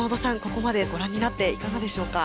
ここまでご覧になっていかがでしょうか？